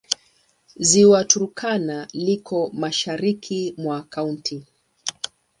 Ziwa Turkana liko mashariki mwa kaunti.